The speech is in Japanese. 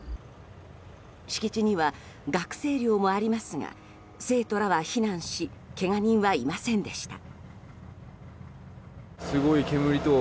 敷地には学生寮もありますが生徒らは避難しけが人はいませんでした。